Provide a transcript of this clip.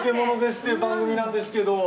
って番組なんですけど。